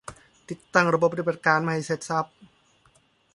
ติดตั้งระบบปฏิบัติการมาให้เสร็จสรรพ